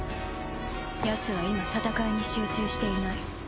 ヤツは今戦いに集中していない。